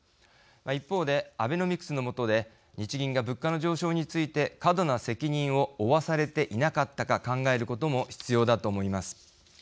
一方で、アベノミクスの下で日銀が物価の上昇について過度な責任を負わされていなかったか考えることも必要だと思います。